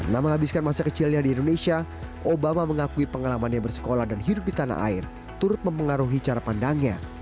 nah menghabiskan masa kecilnya di indonesia obama mengakui pengalamannya bersekolah dan hidup di tanah air turut mempengaruhi cara pandangnya